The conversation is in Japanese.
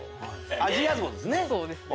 アジアゾウですね。